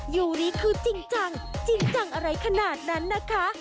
ยูนี้คือจริงจังจริงจังอะไรขนาดนั้นนะคะ